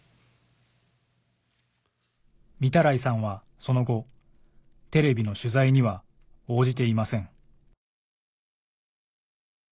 御手洗さんはその後テレビの取材には応じていません